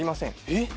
えっ？